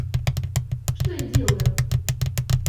Что я делаю?